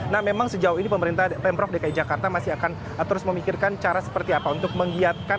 nah memang sejauh ini pemprov dki jakarta masih akan terus memikirkan cara seperti apa untuk menggiatkan